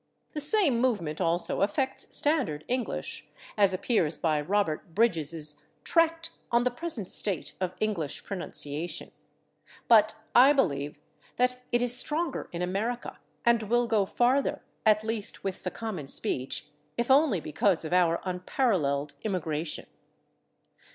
The same movement also affects standard English, as appears by Robert Bridges' "Tract on the Present State of English Pronunciation," but I believe that it is stronger in America, and will go farther, at least with the common speech, if only because of our unparalleled immigration.